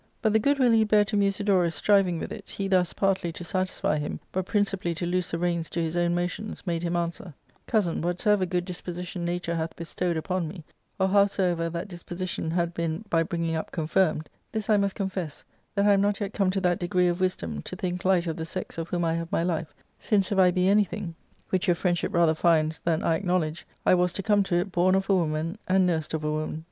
But the good will he bare to Musidonis striving with it, he thus, partly to satisfy him, but principally to loose the reins I to his own motions, made him answer :Cousin, whatsoever good disposition nature hath bestowed upon me, or howsoever that disposition had been by bringing up confirmed, this I ust confess, that I am not yet come to that degree of wisdom to think light of the sex of whom I have my life, since if I be anything — which your friendship rather finds than I a(iknowledge — I was, to come to it, born of a woman, and nursed of a woman.